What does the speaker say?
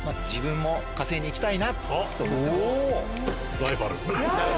ライバル。